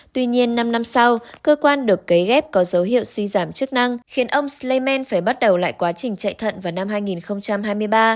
tuy nhiên năm năm sau cơ quan được cấy ghép có dấu hiệu suy giảm chức năng khiến ông sleyman phải bắt đầu lại quá trình chạy thận vào năm hai nghìn hai mươi ba